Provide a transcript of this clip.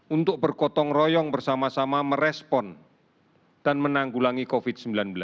untuk berkotong royong bersama sama merespon dan menanggulangi covid sembilan belas